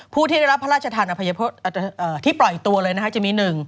ผู้ที่ได้รับพระราชทานอภัยที่ปล่อยตัวเลยนะคะจะมี๑